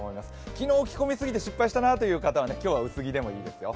昨日着込みすぎて失敗したなという方は今日は薄着でもいいですよ。